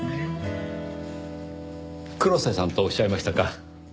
黒瀬さんとおっしゃいましたか。